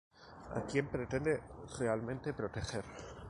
¿a quién pretende realmente proteger?